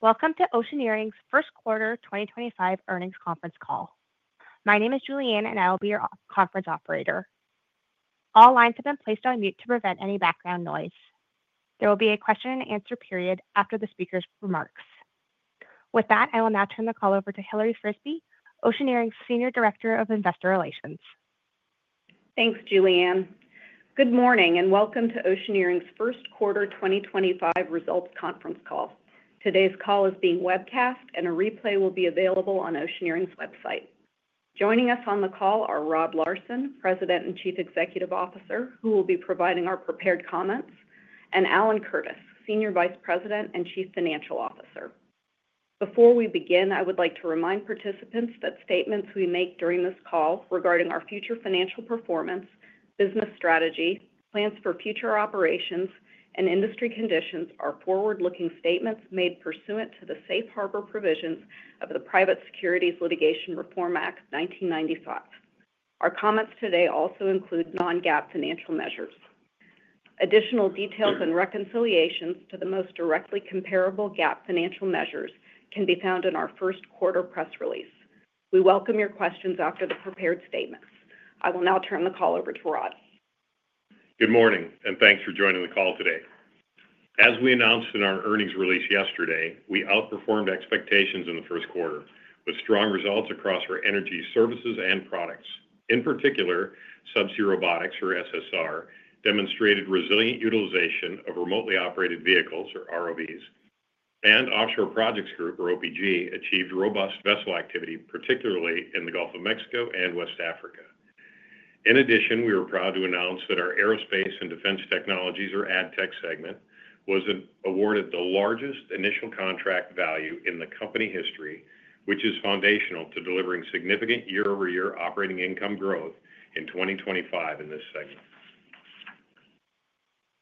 Welcome to Oceaneering's first quarter 2025 Earnings Conference Call. My name is Julianne, and I will be your conference operator. All lines have been placed on mute to prevent any background noise. There will be a question-and-answer period after the speaker's remarks. With that, I will now turn the call over to Hilary Frisbie, Oceaneering's Senior Director of Investor Relations. Thanks, Julianne. Good morning and welcome to Oceaneering's first quarter 2025 results conference call. Today's call is being webcast, and a replay will be available on Oceaneering's website. Joining us on the call are Rod Larson, President and Chief Executive Officer, who will be providing our prepared comments, and Alan Curtis, Senior Vice President and Chief Financial Officer. Before we begin, I would like to remind participants that statements we make during this call regarding our future financial performance, business strategy, plans for future operations, and industry conditions are forward-looking statements made pursuant to the safe harbor provisions of the Private Securities Litigation Reform Act of 1995. Our comments today also include non-GAAP financial measures. Additional details and reconciliations to the most directly comparable GAAP financial measures can be found in our first quarter press release. We welcome your questions after the prepared statements. I will now turn the call over to Rod. Good morning, and thanks for joining the call today. As we announced in our earnings release yesterday, we outperformed expectations in the first quarter with strong results across our energy services and products. In particular, Subsea Robotics, or SSR, demonstrated resilient utilization of remotely operated vehicles, or ROVs, and Offshore Projects Group, or OPG, achieved robust vessel activity, particularly in the Gulf of Mexico and West Africa. In addition, we are proud to announce that our Aerospace and Defense Technologies, or ADTech, segment was awarded the largest initial contract value in the company history, which is foundational to delivering significant year-over-year operating income growth in 2025 in this segment.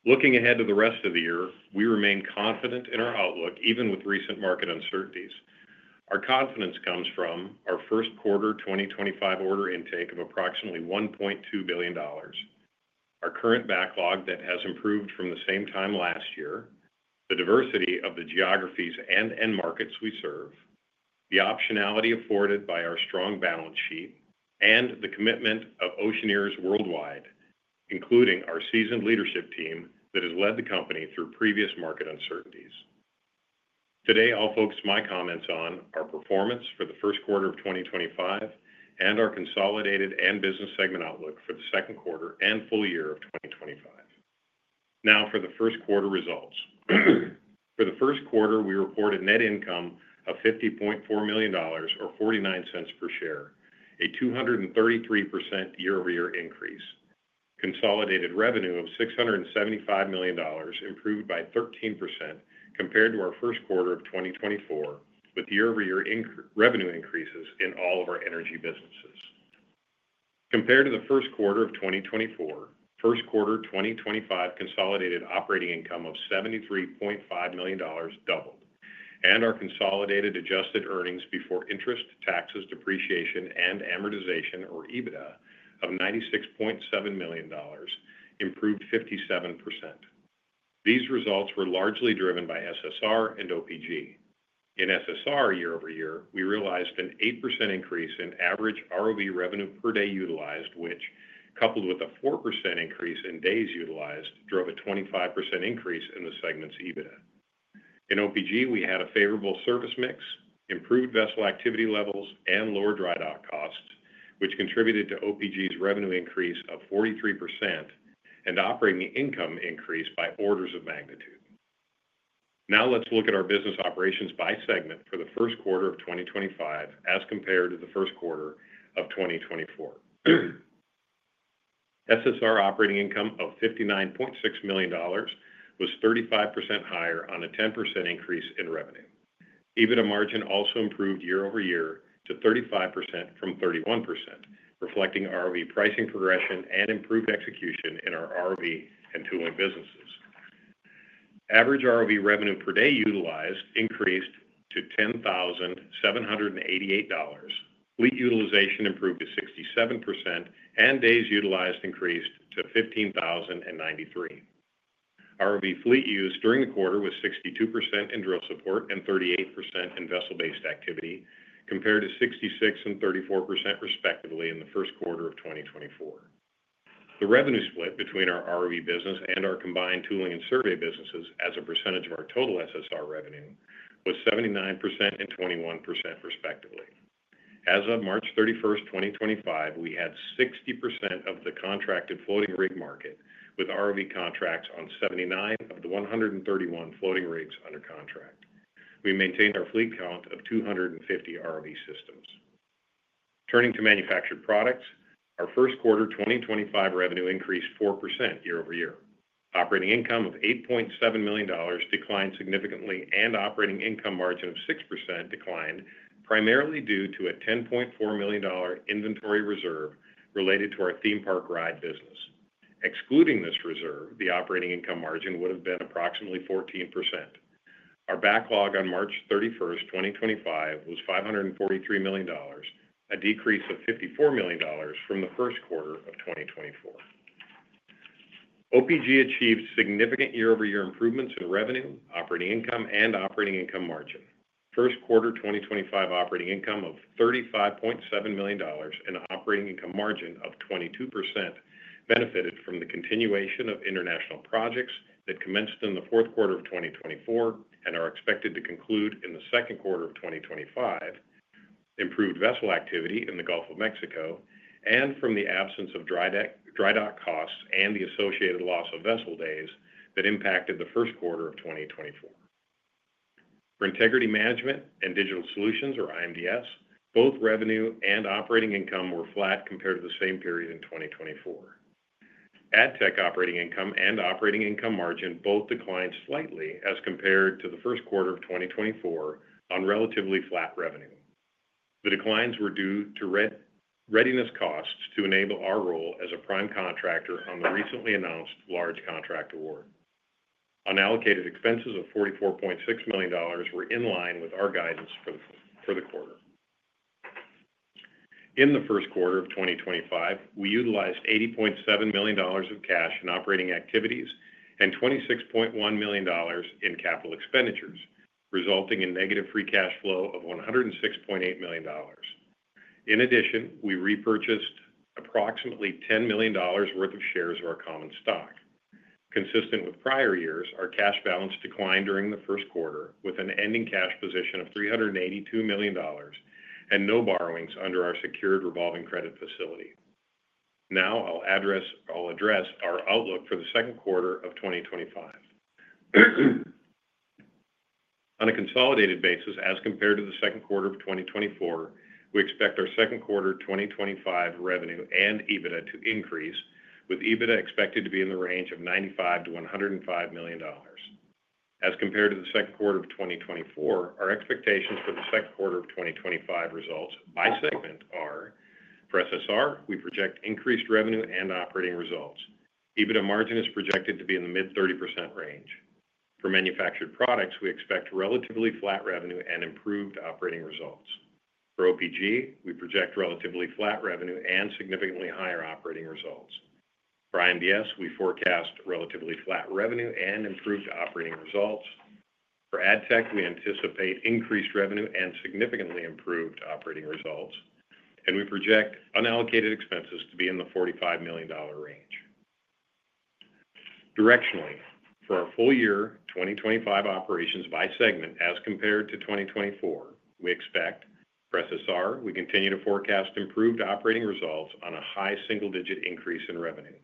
Looking ahead to the rest of the year, we remain confident in our outlook, even with recent market uncertainties. Our confidence comes from our first quarter 2025 order intake of approximately $1.2 billion, our current backlog that has improved from the same time last year, the diversity of the geographies and end markets we serve, the optionality afforded by our strong balance sheet, and the commitment of Oceaneers worldwide, including our seasoned leadership team that has led the company through previous market uncertainties. Today, I'll focus my comments on our performance for the first quarter of 2025 and our consolidated and business segment outlook for the second quarter and full year of 2025. Now for the first quarter results. For the first quarter, we reported net income of $50.4 million, or $0.49 per share, a 233% year-over-year increase. Consolidated revenue of $675 million improved by 13% compared to our first quarter of 2024, with year-over-year revenue increases in all of our energy businesses. Compared to the first quarter of 2024, first quarter 2025 consolidated operating income of $73.5 million doubled, and our consolidated adjusted earnings before interest, taxes, depreciation, and amortization, or EBITDA, of $96.7 million improved 57%. These results were largely driven by SSR and OPG. In SSR, year-over-year, we realized an 8% increase in average ROV revenue per day utilized, which, coupled with a 4% increase in days utilized, drove a 25% increase in the segment's EBITDA. In OPG, we had a favorable service mix, improved vessel activity levels, and lower dry dock costs, which contributed to OPG's revenue increase of 43% and operating income increase by orders of magnitude. Now let's look at our business operations by segment for the first quarter of 2025 as compared to the first quarter of 2024. SSR operating income of $59.6 million was 35% higher on a 10% increase in revenue. EBITDA margin also improved year-over-year to 35% from 31%, reflecting ROV pricing progression and improved execution in our ROV and tooling businesses. Average ROV revenue per day utilized increased to $10,788. Fleet utilization improved to 67%, and days utilized increased to 15,093. ROV fleet use during the quarter was 62% in drill support and 38% in vessel-based activity, compared to 66% and 34%, respectively, in the first quarter of 2024. The revenue split between our ROV business and our combined tooling and survey businesses as a percentage of our total SSR revenue was 79% and 21%, respectively. As of March 31, 2025, we had 60% of the contracted floating rig market with ROV contracts on 79 of the 131 floating rigs under contract. We maintained our fleet count of 250 ROV systems. Turning to Manufactured Products, our first quarter 2025 revenue increased 4% year-over-year. Operating income of $8.7 million declined significantly, and operating income margin of 6% declined primarily due to a $10.4 million inventory reserve related to our theme park ride business. Excluding this reserve, the operating income margin would have been approximately 14%. Our backlog on March 31, 2025, was $543 million, a decrease of $54 million from the first quarter of 2024. OPG achieved significant year-over-year improvements in revenue, operating income, and operating income margin. First quarter 2025 operating income of $35.7 million and operating income margin of 22% benefited from the continuation of international projects that commenced in the fourth quarter of 2024 and are expected to conclude in the second quarter of 2025, improved vessel activity in the Gulf of Mexico, and from the absence of dry dock costs and the associated loss of vessel days that impacted the first quarter of 2024. For Integrity Management and Digital Solutions, or IMDS, both revenue and operating income were flat compared to the same period in 2024. ADTech operating income and operating income margin both declined slightly as compared to the first quarter of 2024 on relatively flat revenue. The declines were due to readiness costs to enable our role as a prime contractor on the recently announced large contract award. Unallocated expenses of $44.6 million were in line with our guidance for the quarter. In the first quarter of 2025, we utilized $80.7 million of cash in operating activities and $26.1 million in capital expenditures, resulting in negative free cash flow of $106.8 million. In addition, we repurchased approximately $10 million worth of shares of our common stock. Consistent with prior years, our cash balance declined during the first quarter, with an ending cash position of $382 million and no borrowings under our secured revolving credit facility. Now I'll address our outlook for the second quarter of 2025. On a consolidated basis, as compared to the second quarter of 2024, we expect our second quarter 2025 revenue and EBITDA to increase, with EBITDA expected to be in the range of $95-$105 million. As compared to the second quarter of 2024, our expectations for the second quarter of 2025 results by segment are: for SSR, we project increased revenue and operating results. EBITDA margin is projected to be in the mid-30% range. For Manufactured Products, we expect relatively flat revenue and improved operating results. For OPG, we project relatively flat revenue and significantly higher operating results. For IMDS, we forecast relatively flat revenue and improved operating results. For ADTech, we anticipate increased revenue and significantly improved operating results, and we project unallocated expenses to be in the $45 million range. Directionally, for our full year 2025 operations by segment as compared to 2024, we expect: for SSR, we continue to forecast improved operating results on a high single-digit increase in revenue.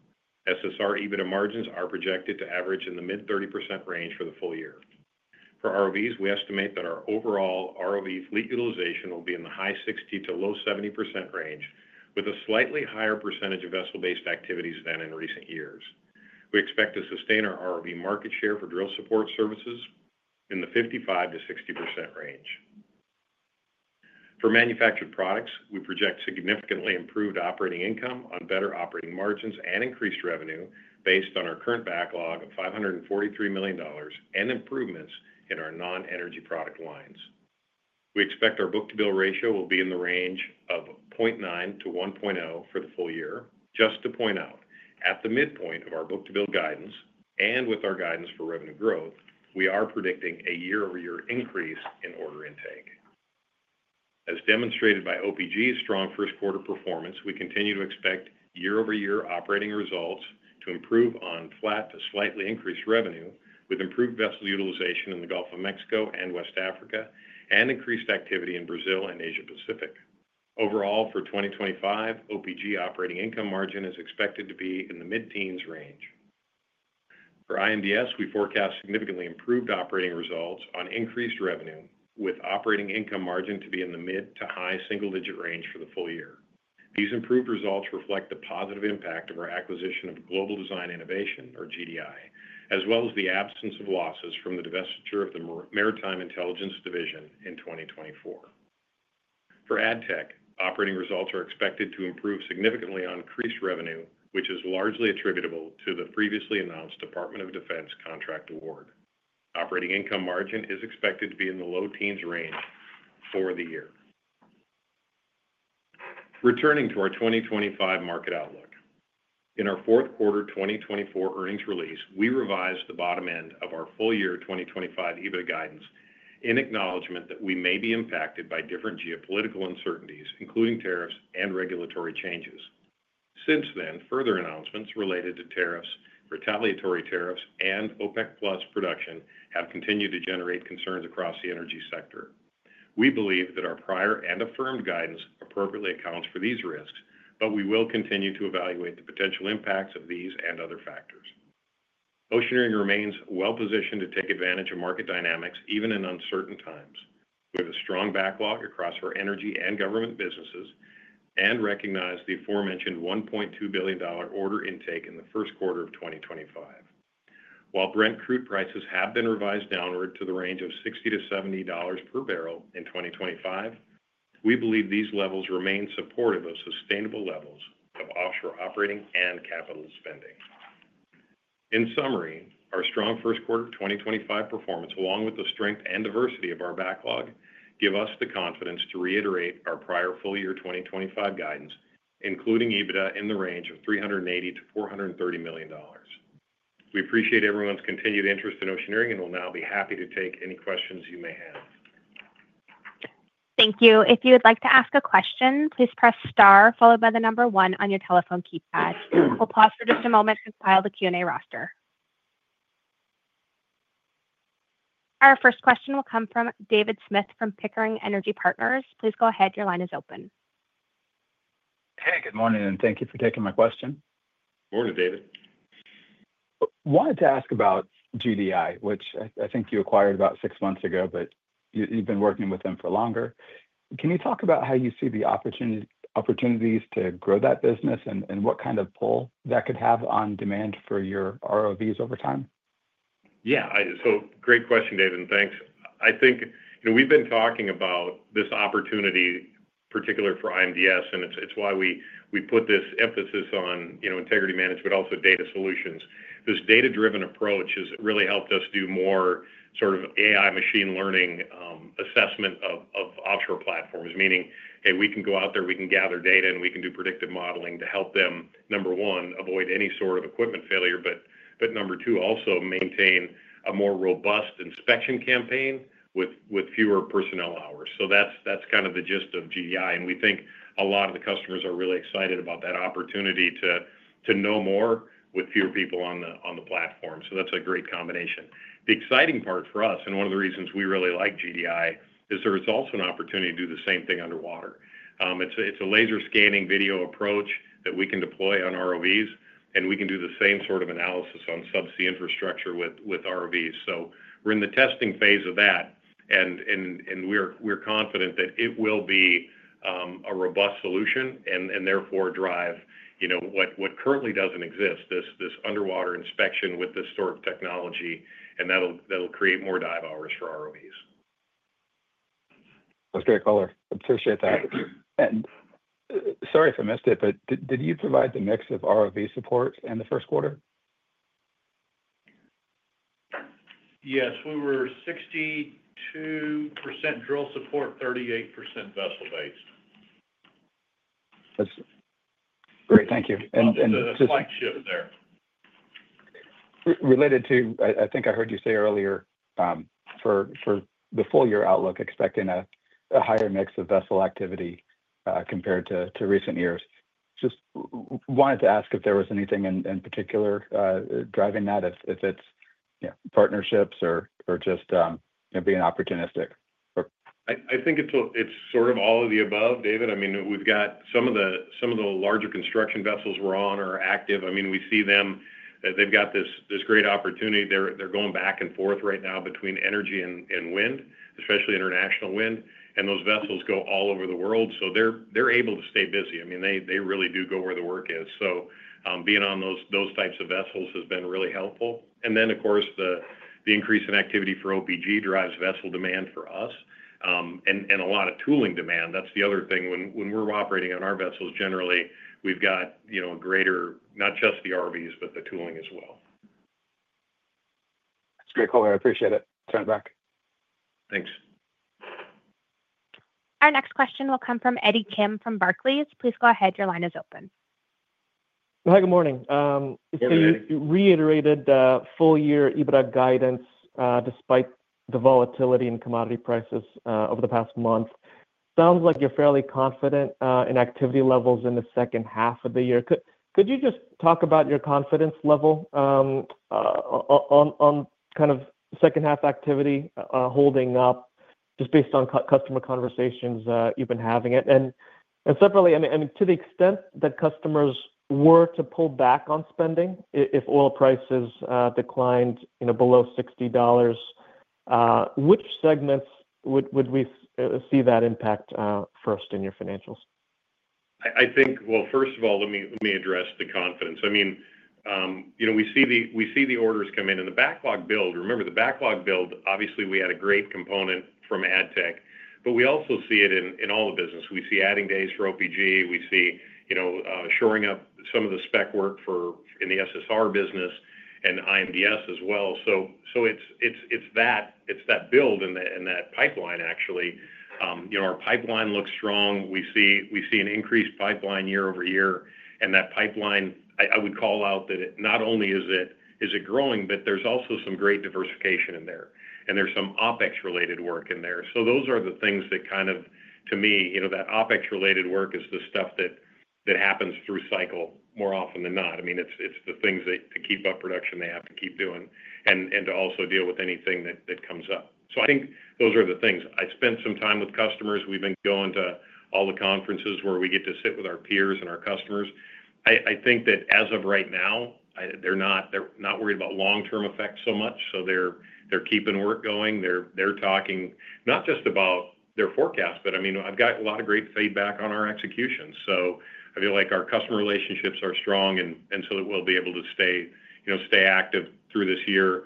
SSR EBITDA margins are projected to average in the mid-30% range for the full year. For ROVs, we estimate that our overall ROV fleet utilization will be in the high 60%-low 70% range, with a slightly higher percentage of vessel-based activities than in recent years. We expect to sustain our ROV market share for drill support services in the 55%-60% range. For Manufactured Products, we project significantly improved operating income on better operating margins and increased revenue based on our current backlog of $543 million and improvements in our non-energy product lines. We expect our book-to-bill ratio will be in the range of 0.9-1.0 for the full year. Just to point out, at the midpoint of our book-to-bill guidance and with our guidance for revenue growth, we are predicting a year-over-year increase in order intake. As demonstrated by OPG's strong first quarter performance, we continue to expect year-over-year operating results to improve on flat to slightly increased revenue with improved vessel utilization in the Gulf of Mexico and West Africa and increased activity in Brazil and Asia-Pacific. Overall, for 2025, OPG operating income margin is expected to be in the mid-teens range. For IMDS, we forecast significantly improved operating results on increased revenue, with operating income margin to be in the mid-to-high single-digit range for the full year. These improved results reflect the positive impact of our acquisition of Global Design Innovation, or GDI, as well as the absence of losses from the divestiture of the Maritime Intelligence Division in 2024. For ADTech, operating results are expected to improve significantly on increased revenue, which is largely attributable to the previously announced Department of Defense contract award. Operating income margin is expected to be in the low teens range for the year. Returning to our 2025 market outlook, in our fourth quarter 2024 earnings release, we revised the bottom end of our full year 2025 EBITDA guidance in acknowledgment that we may be impacted by different geopolitical uncertainties, including tariffs and regulatory changes. Since then, further announcements related to tariffs, retaliatory tariffs, and OPEC+ production have continued to generate concerns across the energy sector. We believe that our prior and affirmed guidance appropriately accounts for these risks, but we will continue to evaluate the potential impacts of these and other factors. Oceaneering remains well-positioned to take advantage of market dynamics even in uncertain times. We have a strong backlog across our energy and government businesses and recognize the aforementioned $1.2 billion order intake in the first quarter of 2025. While Brent crude prices have been revised downward to the range of $60-$70 per barrel in 2025, we believe these levels remain supportive of sustainable levels of offshore operating and capital spending. In summary, our strong first quarter 2025 performance, along with the strength and diversity of our backlog, give us the confidence to reiterate our prior full year 2025 guidance, including EBITDA in the range of $380-$430 million. We appreciate everyone's continued interest in Oceaneering and will now be happy to take any questions you may have. Thank you. If you would like to ask a question, please press star followed by the number one on your telephone keypad. We'll pause for just a moment to compile the Q&A roster. Our first question will come from David Smith from Pickering Energy Partners. Please go ahead. Your line is open. Hey, good morning, and thank you for taking my question. Morning, David. Wanted to ask about GDI, which I think you acquired about six months ago, but you've been working with them for longer. Can you talk about how you see the opportunities to grow that business and what kind of pull that could have on demand for your ROVs over time? Yeah, great question, David. Thanks. I think we've been talking about this opportunity, particularly for IMDS, and it's why we put this emphasis on integrity management, but also data solutions. This data-driven approach has really helped us do more sort of AI machine learning assessment of offshore platforms, meaning, hey, we can go out there, we can gather data, and we can do predictive modeling to help them, number one, avoid any sort of equipment failure, but number two, also maintain a more robust inspection campaign with fewer personnel hours. That is kind of the gist of GDI, and we think a lot of the customers are really excited about that opportunity to know more with fewer people on the platform. That is a great combination. The exciting part for us, and one of the reasons we really like GDI, is there is also an opportunity to do the same thing underwater. It's a laser scanning video approach that we can deploy on ROVs, and we can do the same sort of analysis on subsea infrastructure with ROVs. We are in the testing phase of that, and we are confident that it will be a robust solution and therefore drive what currently does not exist, this underwater inspection with this sort of technology, and that will create more dive hours for ROVs. That's great, color. Appreciate that. Sorry if I missed it, but did you provide the mix of ROV support in the first quarter? Yes, we were 62% drill support, 38% vessel-based. Great, thank you. Just a slight shift there. Related to, I think I heard you say earlier, for the full year outlook, expecting a higher mix of vessel activity compared to recent years. Just wanted to ask if there was anything in particular driving that, if it's partnerships or just being opportunistic or. I think it's sort of all of the above, David. I mean, we've got some of the larger construction vessels we're on are active. I mean, we see them, they've got this great opportunity. They're going back and forth right now between energy and wind, especially international wind, and those vessels go all over the world. They are able to stay busy. I mean, they really do go where the work is. Being on those types of vessels has been really helpful. Of course, the increase in activity for OPG drives vessel demand for us and a lot of tooling demand. That's the other thing. When we're operating on our vessels, generally, we've got a greater, not just the ROVs, but the tooling as well. That's great, color. I appreciate it. Turn it back. Thanks. Our next question will come from Eddie Kim from Barclays. Please go ahead. Your line is open. Hi, good morning. You reiterated full year EBITDA guidance despite the volatility in commodity prices over the past month. Sounds like you're fairly confident in activity levels in the second half of the year. Could you just talk about your confidence level on kind of second-half activity holding up just based on customer conversations you've been having? Separately, to the extent that customers were to pull back on spending, if oil prices declined below $60, which segments would we see that impact first in your financials? I think, first of all, let me address the confidence. I mean, we see the orders come in. The backlog build, remember, the backlog build, obviously, we had a great component from ADTech, but we also see it in all the business. We see adding days for OPG. We see shoring up some of the spec work in the SSR business and IMDS as well. It is that build and that pipeline, actually. Our pipeline looks strong. We see an increased pipeline year-over-year. That pipeline, I would call out that not only is it growing, but there is also some great diversification in there. There is some OPEX-related work in there. Those are the things that kind of, to me, that OPEX-related work is the stuff that happens through cycle more often than not. I mean, it is the things to keep up production they have to keep doing and to also deal with anything that comes up. I think those are the things. I spent some time with customers. We've been going to all the conferences where we get to sit with our peers and our customers. I think that as of right now, they're not worried about long-term effects so much. They're keeping work going. They're talking not just about their forecast, but I mean, I've got a lot of great feedback on our execution. I feel like our customer relationships are strong and that we'll be able to stay active through this year.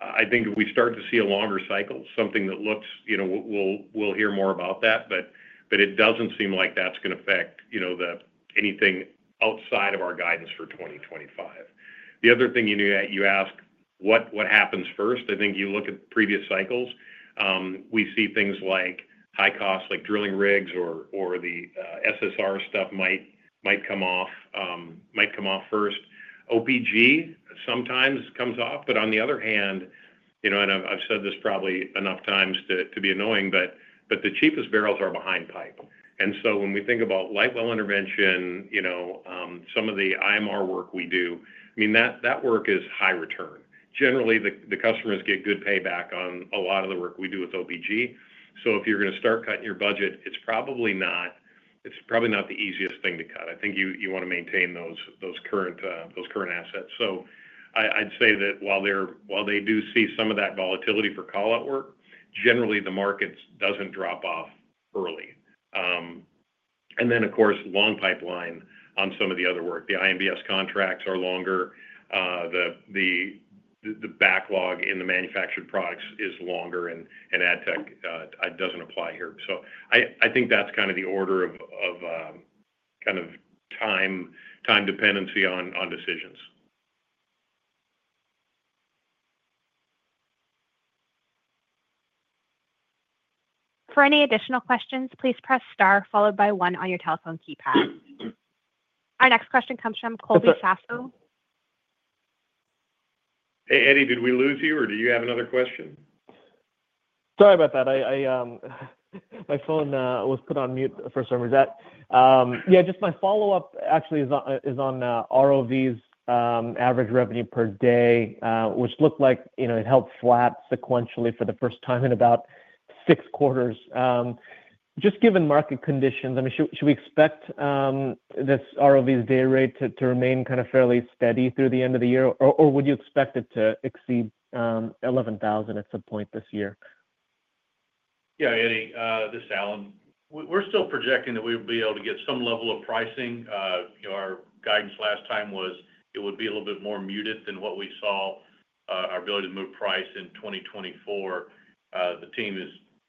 I think if we start to see a longer cycle, something that looks—we'll hear more about that—it doesn't seem like that's going to affect anything outside of our guidance for 2025. The other thing you ask, what happens first? I think you look at previous cycles. We see things like high costs, like drilling rigs or the SSR stuff might come off first. OPG sometimes comes off, but on the other hand, and I've said this probably enough times to be annoying, but the cheapest barrels are behind pipe. When we think about light well intervention, some of the IMR work we do, I mean, that work is high return. Generally, the customers get good payback on a lot of the work we do with OPG. If you're going to start cutting your budget, it's probably not—it's probably not the easiest thing to cut. I think you want to maintain those current assets. I'd say that while they do see some of that volatility for callout work, generally, the market doesn't drop off early. Of course, long pipeline on some of the other work. The IMDS contracts are longer. The backlog in the Manufactured Products is longer, and ADTech doesn't apply here. I think that's kind of the order of kind of time dependency on decisions. For any additional questions, please press star followed by one on your telephone keypad. Our next question comes from Colby Sasso. Hey, Eddie, did we lose you, or do you have another question? Sorry about that. My phone was put on mute for some reason. Yeah, just my follow-up actually is on ROVs' average revenue per day, which looked like it held flat sequentially for the first time in about six quarters. Just given market conditions, I mean, should we expect this ROV's day rate to remain kind of fairly steady through the end of the year, or would you expect it to exceed $11,000 at some point this year? Yeah, Eddie, this is Alan. We're still projecting that we would be able to get some level of pricing. Our guidance last time was it would be a little bit more muted than what we saw our ability to move price in 2024. The team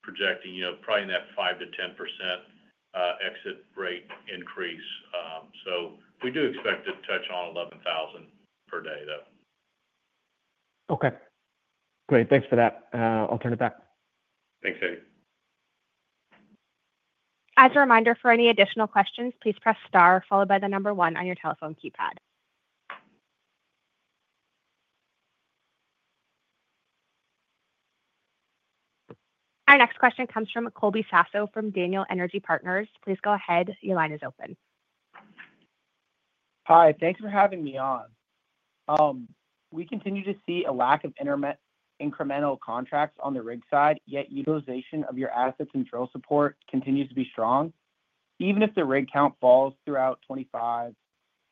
is projecting probably in that 5%-10% exit rate increase. We do expect to touch on $11,000 per day, though. Okay. Great. Thanks for that. I'll turn it back. Thanks, Eddie. As a reminder, for any additional questions, please press star followed by the number one on your telephone keypad. Our next question comes from Colby Sasso from Daniel Energy Partners. Please go ahead. Your line is open. Hi, thanks for having me on. We continue to see a lack of incremental contracts on the rig side, yet utilization of your assets and drill support continues to be strong. Even if the rig count falls throughout 25,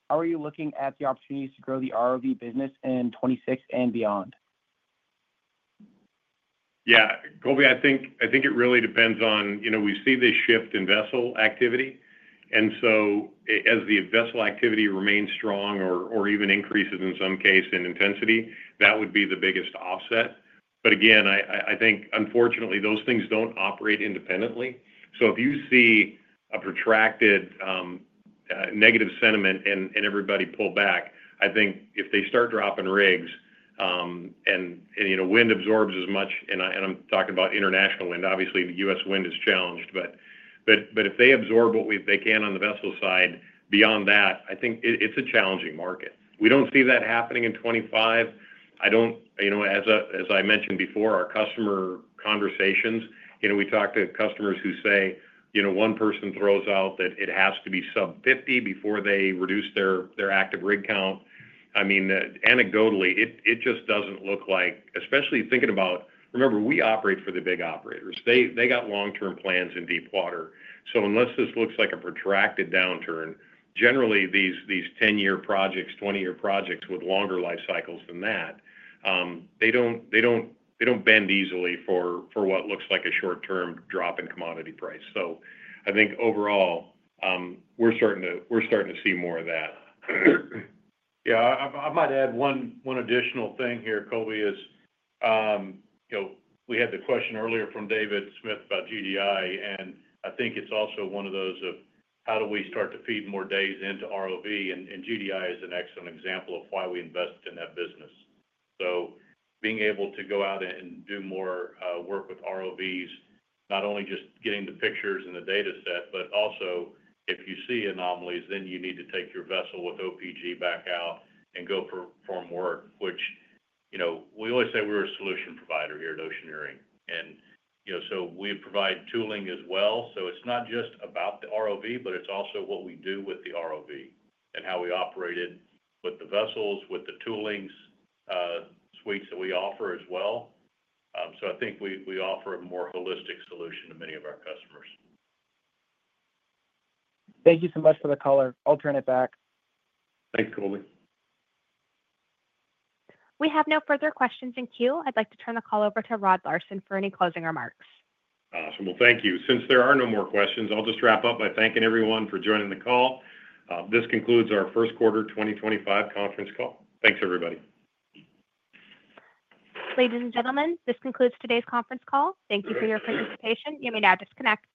how are you looking at the opportunities to grow the ROV business in 26 and beyond? Yeah, Colby, I think it really depends on we see this shift in vessel activity. As the vessel activity remains strong or even increases in some case in intensity, that would be the biggest offset. Again, I think, unfortunately, those things do not operate independently. If you see a protracted negative sentiment and everybody pull back, I think if they start dropping rigs and wind absorbs as much, and I am talking about international wind, obviously, the U.S. wind is challenged, but if they absorb what they can on the vessel side, beyond that, I think it is a challenging market. We do not see that happening in 25. As I mentioned before, our customer conversations, we talk to customers who say one person throws out that it has to be sub-50 before they reduce their active rig count. I mean, anecdotally, it just doesn't look like, especially thinking about, remember, we operate for the big operators. They got long-term plans in deep water. Unless this looks like a protracted downturn, generally, these 10-year projects, 20-year projects with longer life cycles than that, they don't bend easily for what looks like a short-term drop in commodity price. I think overall, we're starting to see more of that. Yeah, I might add one additional thing here, Colby, is we had the question earlier from David Smith about GDI, and I think it's also one of those of how do we start to feed more days into ROV, and GDI is an excellent example of why we invest in that business. Being able to go out and do more work with ROVs, not only just getting the pictures and the data set, but also if you see anomalies, then you need to take your vessel with OPG back out and go perform work, which we always say we're a solution provider here at Oceaneering. We provide tooling as well. It's not just about the ROV, but it's also what we do with the ROV and how we operate it with the vessels, with the tooling suites that we offer as well. I think we offer a more holistic solution to many of our customers. Thank you so much for the call. I'll turn it back. Thanks, Colby. We have no further questions in queue. I'd like to turn the call over to Rod Larson for any closing remarks. Awesome. Thank you. Since there are no more questions, I'll just wrap up by thanking everyone for joining the call. This concludes our first quarter 2025 conference call. Thanks, everybody. Ladies and gentlemen, this concludes today's conference call. Thank you for your participation. You may now disconnect.